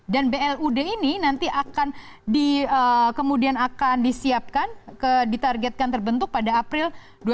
dan blud ini nanti akan kemudian akan disiapkan ditargetkan terbentuk pada april dua ribu delapan belas